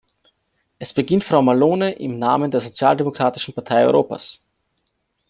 Es beginnt Frau Malone im Namen der Sozialdemokratischen Partei Europas.